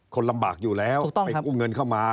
คนลำบากอยู่แล้วไปกู้เงินเข้ามา